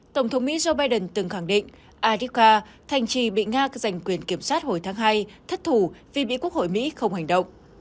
tổng thống mỹ joe biden từng khẳng định adica thành trì bị nga giành quyền kiểm soát hồi tháng hai thất thù vì bị quốc hội mỹ không hành động